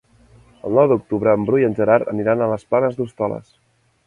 El nou d'octubre en Bru i en Gerard aniran a les Planes d'Hostoles.